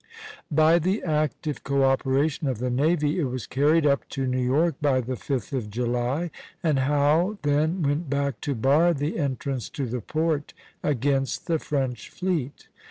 By the active co operation of the navy it was carried up to New York by the 5th of July; and Howe then went back to bar the entrance to the port against the French fleet.